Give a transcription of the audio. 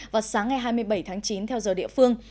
vào sáng ngày hai mươi bảy tháng chín theo giờ địa phương